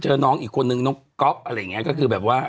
เจอน้องอีกคนนึงน้องก๊อบอะไรอย่างนี้